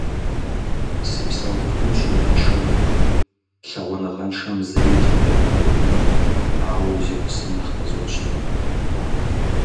Сыпсэуфынущ уэрыншэуи, лъэгъуныгъэншэм зыри илӏыкӏыркъым, ауэ узигъусэм нэхъ къызощтэ.